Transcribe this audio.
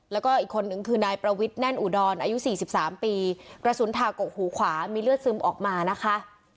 แล้วก็อีกคนนึงคือนายประวิทย์แน่นอุดรอายุ๔๓ปีกระสุนถากกหูขวามีเลือดซึมออกมานะคะ